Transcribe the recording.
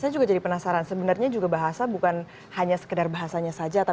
saya juga jadi penasaran sebenarnya juga bahasa bukan hanya sekedar bahasanya saja